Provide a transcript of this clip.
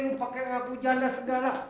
lu pakai ngaku janda segala